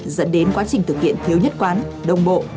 dẫn đến quá trình thực hiện thiếu nhất quán đồng bộ